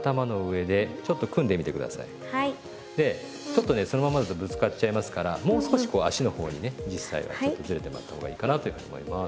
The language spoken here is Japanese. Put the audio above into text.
でちょっとねそのままだとぶつかっちゃいますからもう少しこう足の方にね実際はずれてもらった方がいいかなと思います。